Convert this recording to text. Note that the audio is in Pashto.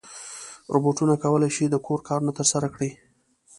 روبوټونه کولی شي د کور کارونه ترسره کړي.